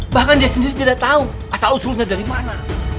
bahkan dia sendiri tidak tahu asal usulnya dari mana